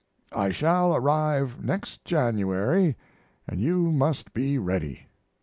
I shall arrive next January & you must be ready.